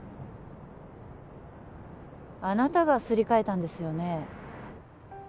あなたがすり替えたんですよね？